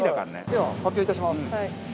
では発表いたします。